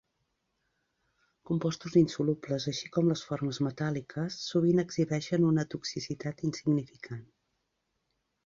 Compostos insolubles, així com les formes metàl·liques, sovint exhibeixen una toxicitat insignificant.